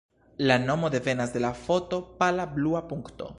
La nomo devenas de la foto Pala Blua Punkto.